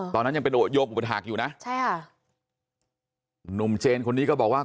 ตอนนั้นยังเป็นโยมอุปถาคอยู่นะใช่ค่ะหนุ่มเจนคนนี้ก็บอกว่า